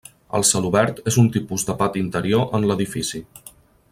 El celobert és un tipus de pati interior en l'edifici.